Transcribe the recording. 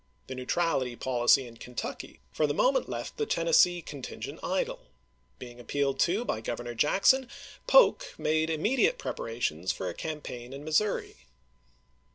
The neutrality policy in Kentucky for the moment left the Ten nessee contingent idle. Being appealed to by Gov ernor Jackson, Polk made immediate preparations for a campaign in Missouri.